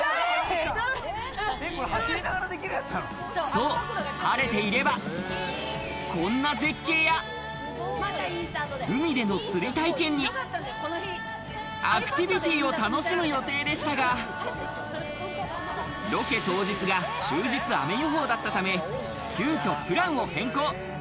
そう、晴れていればこんな絶景や海での釣り体験に、アクティビティを楽しむ予定でしたが、ロケ当日が終日雨予報だったため、急きょプランを変更。